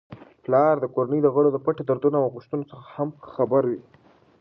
پلار د کورنی د غړو د پټو دردونو او غوښتنو څخه هم خبر وي.